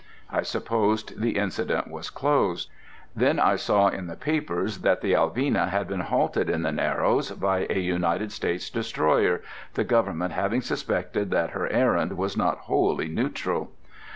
I supposed the incident was closed. Then I saw in the papers that the Alvina had been halted in the Narrows by a United States destroyer, the Government having suspected that her errand was not wholly neutral.